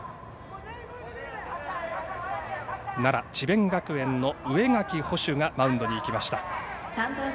奈良智弁学園の植垣捕手がマウンドに行きました。